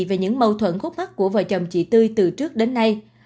về những mâu thuẫn khúc mắt của vợ chồng chị tư từ trước đến nay